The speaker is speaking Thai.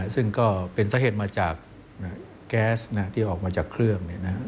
ซึ่งก็เป็นสาเหตุมาจากแก๊สที่ออกมาจากเครื่อง